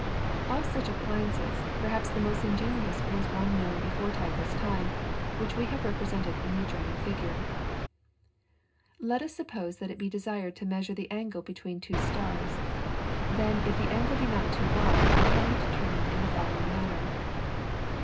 Of such appliances, perhaps the most ingenious was one known before Tycho's time, which we have represented in the adjoining figure. [PLATE: TYCHO'S CROSS STAFF.] Let us suppose that it be desired to measure the angle between two stars, then if the angle be not too large it can be determined in the following manner.